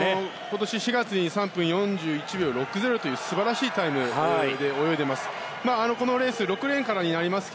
今年４月に４分３１秒６０という素晴らしいタイムで泳いでいます。